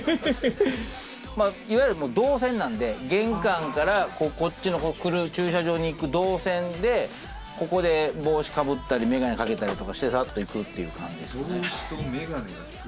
いわゆる動線なんで、玄関からこっちの駐車場に行く動線で、ここで帽子かぶったり眼鏡かけたりとかして、行くっていう感じ。